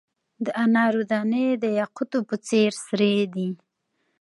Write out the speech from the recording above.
د انارو دانې د یاقوتو په څیر سرې دي.